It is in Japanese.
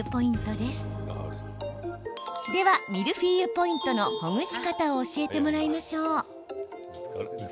では、ミルフィーユポイントのほぐし方を教えてもらいましょう。